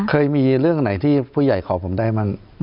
เคยมีเรื่องไหนที่ผู้ใหญ่ขอผมได้มั่ง